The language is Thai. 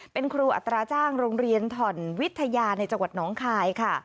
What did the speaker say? เป็นครูอัตราจ้างโรงเรียนถ่อนวิทยาในจังหวัดน้องคายค่ะ